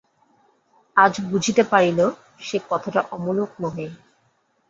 আজ বুঝিতে পারিল, সে কথাটা অমূলক নহে।